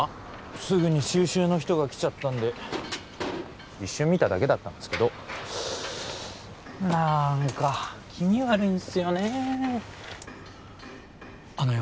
すぐに収集の人が来ちゃったんで一瞬見ただけだったんですけどなんか気味悪いんすよねあのよ